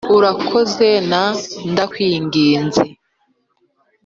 "urakoze," na "ndakwinginze."